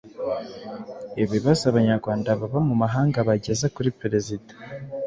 ibibazo Abanyarwanda baba mu mahanga bageza kuri Perezida